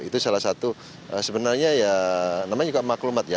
itu salah satu sebenarnya ya namanya juga maklumat ya